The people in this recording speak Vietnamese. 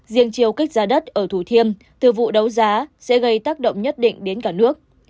riêng chiều kích giá đất ở thủ thiêm từ vụ đấu giá sẽ gây tác động nhất định đến cả nước